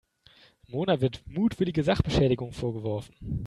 Mona wird mutwillige Sachbeschädigung vorgeworfen.